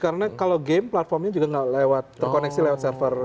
karena kalau game platformnya juga terkoneksi lewat server